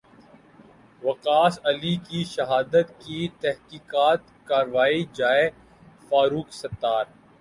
وقاص علی کی شہادت کی تحقیقات کروائی جائے فاروق ستار